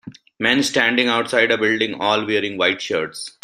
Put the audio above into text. Men standing outside a building all wearing white shirts.